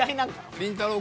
りんたろー。